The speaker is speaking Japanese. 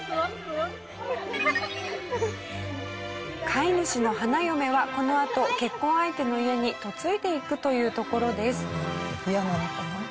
飼い主の花嫁はこのあと結婚相手の家に嫁いでいくというところです。